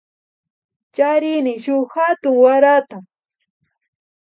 Charini shuk hatun warata